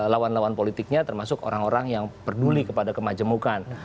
lawan lawan politiknya termasuk orang orang yang peduli kepada kemajemukan